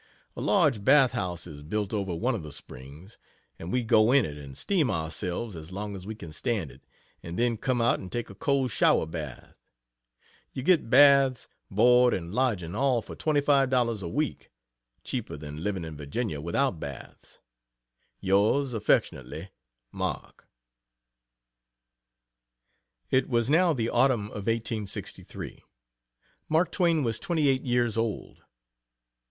A large bath house is built over one of the springs, and we go in it and steam ourselves as long as we can stand it, and then come out and take a cold shower bath. You get baths, board and lodging, all for $25 a week cheaper than living in Virginia without baths..... Yrs aft MARK. It was now the autumn of 1863. Mark Twain was twenty eight years old.